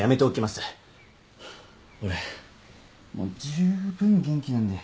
俺もうじゅうぶん元気なんで。